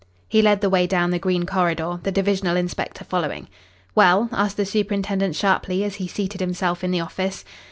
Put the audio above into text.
He led the way down the green corridor, the divisional inspector following. "Well?" asked the superintendent sharply, as he seated himself in his office.